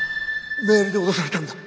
メールで脅されたんだ。